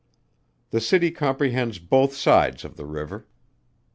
The city comprehends both sides of the river.